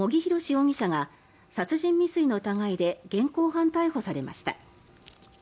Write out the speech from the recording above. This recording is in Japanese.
容疑者が殺人未遂の疑いで現行犯逮捕されました。